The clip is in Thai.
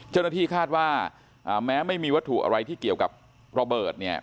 เจ้าหน้าที่คาดว่าแม้ไม่มีวัตถุอะไรที่เกี่ยวกับระเบิดเนี่ย